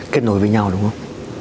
kết nối với nhau đúng không